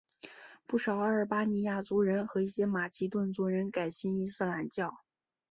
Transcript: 不少阿尔巴尼亚族人和一些马其顿族人改信伊斯兰教。